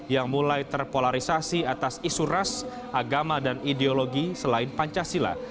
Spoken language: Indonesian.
yang mulai terpolarisasi atas isu ras agama dan ideologi selain pancasila